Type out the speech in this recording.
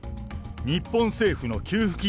日本政府の給付金